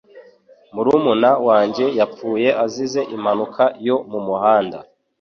Murumuna wanjye yapfuye azize impanuka yo mu muhanda.